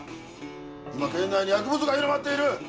今県内に薬物が広まっている！